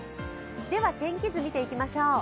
では天気図見ていきましょう。